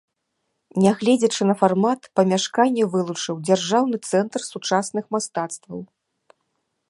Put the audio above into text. Нягледзячы на фармат, памяшканне вылучыў дзяржаўны цэнтр сучасных мастацтваў.